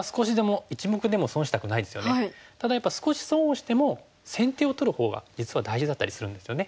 ただやっぱり少し損をしても先手を取るほうが実は大事だったりするんですよね。